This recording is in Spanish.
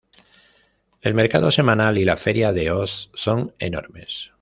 El mercado semanal y la feria de Oss son enormes.